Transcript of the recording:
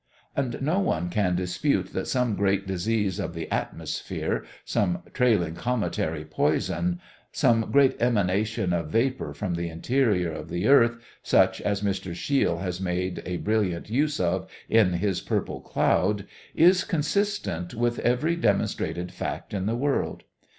And no one can dispute that some great disease of the atmosphere, some trailing cometary poison, some great emanation of vapor from the interior of the earth, such as Mr. Shiel has made a brilliant use of in his "Purple Cloud," is consistent with every demonstrated fact in the world.